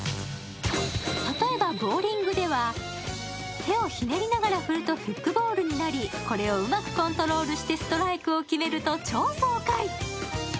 例えばボウリングでは手をひねりながら振るとフックボールになり、これをうまくコントロールしてストライクを決めると超爽快！